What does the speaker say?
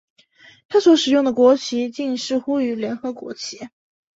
它所使用的国旗近似于联合国旗。